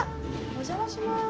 お邪魔します。